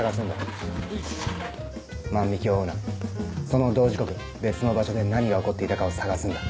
その同時刻別の場所で何が起こっていたかを探すんだ。